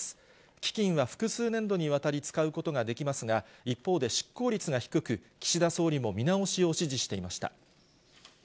基金は複数年度にわたり使うことができますが、一方で執行率が低く、岸田総理も見直しを指示していました。